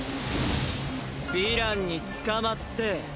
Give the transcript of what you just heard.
ヴィランに捕まって。